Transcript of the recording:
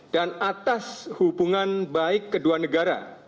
dan atas hubungan baik kedua negara